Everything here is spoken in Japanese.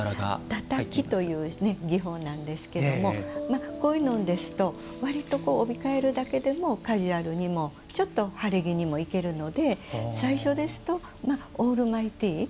たたきという技法ですがこういうのだと割と帯変えるだけでもカジュアルにも晴れ着にもいけるので最初ですと、オールマイティー。